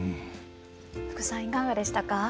福さんいかがでしたか？